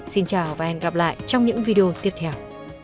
xin chào và hẹn gặp lại trong những video tiếp theo